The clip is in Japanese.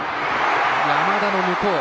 山田の向こう。